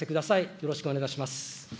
よろしくお願いします。